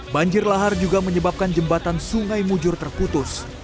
banjir lahar juga menyebabkan jembatan sungai mujur terputus